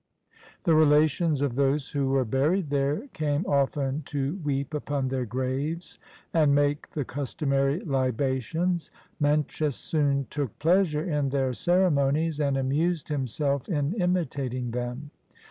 The relations of those who were buried there came often to weep upon their graves, and make the customary libations. Mencius soon took pleasure in their ceremonies and amused himself in imi tating them.